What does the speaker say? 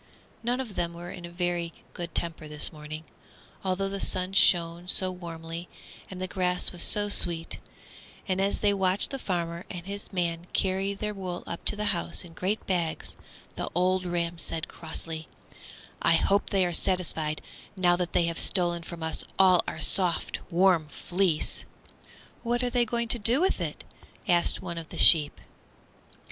None of them were in a very good temper this morning, although the sun shone so warmly and the grass was so sweet, and as they watched the farmer and his man carry their wool up to the house in great bags, the old ram said, crossly, "I hope they are satisfied, now that they have stolen from us all our soft, warm fleece." "What are they going to do with it?" asked one of the sheep.